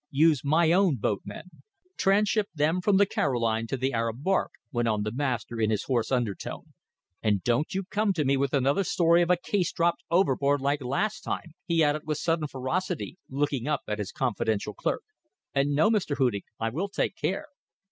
Use my own boatmen. Transship them from the Caroline to the Arab barque," went on the master in his hoarse undertone. "And don't you come to me with another story of a case dropped overboard like last time," he added, with sudden ferocity, looking up at his confidential clerk. "No, Mr. Hudig. I will take care."